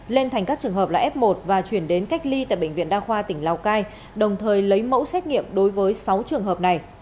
lên thành các trường hợp là f một và chuyển đến cách ly tại bệnh viện đa khoa tỉnh lào cai đồng thời lấy mẫu xét nghiệm đối với sáu trường hợp này